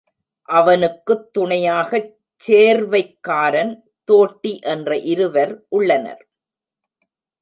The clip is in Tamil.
அவனுக்குத் துணையாகச் சேர்வைக்காரன், தோட்டி என்ற இருவர் உள்ளனர்.